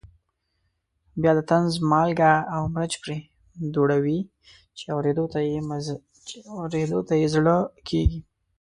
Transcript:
بیا د طنز مالګه او مرچ پرې دوړوي چې اورېدو ته یې زړه کېږي.